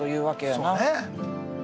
そうね。